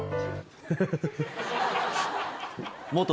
ハハハハ。